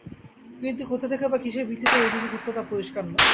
কিন্তু কোথা থেকে বা কিসের ভিত্তিতে এই অভিযোগ উঠল তা পরিষ্কার নয়।